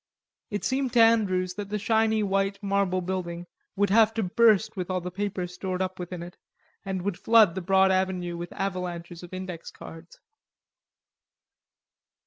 It seemed to Andrews that the shiny white marble building would have to burst with all the paper stored up within it, and would flood the broad avenue with avalanches of index cards.